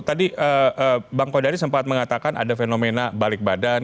tadi bang kodari sempat mengatakan ada fenomena balik badan